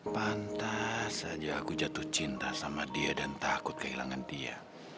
pantas saja aku jatuh cinta sama dia dan takut kehilangan dia